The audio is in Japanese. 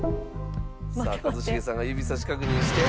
さあ一茂さんが指さし確認して。